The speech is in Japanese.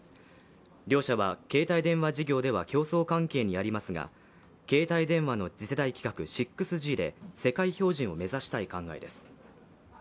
両社は携帯電話事業では競争関係にありますが、携帯電話の次世代規格６Ｇで世界標準を目指したい考えです。